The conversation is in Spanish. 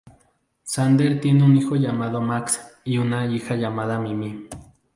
Sander tiene un hijo llamado Max, y una hija llamada Mimi.